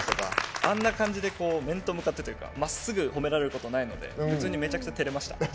あんな感じで面と向かってというかまっすぐ褒められることないので普通にめちゃくちゃてれました。